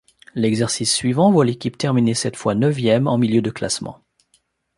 L'exercice suivant voit l'équipe terminer cette fois neuvième en milieu de classement.